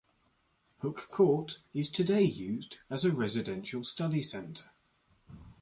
Hooke Court is today used as a residential study centre.